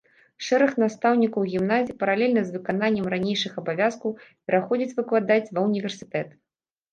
Шэраг настаўнікаў гімназіі, паралельна з выкананнем ранейшых абавязкаў, пераходзіць выкладаць ва ўніверсітэт.